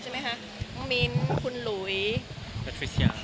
น้องมิ้นคุณหลุย